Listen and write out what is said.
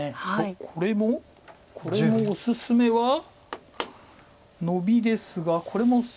これもこれもおすすめはノビですがこれも。